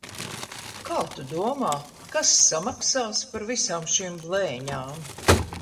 Kā tu domā, kas samaksās par visām šīm blēņām?